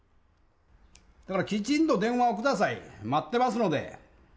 だからきちんと電話をください、待ってますので。